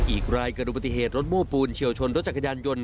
อีกรายเกิดอุบัติเหตุรถโม้ปูนเฉียวชนรถจักรยานยนต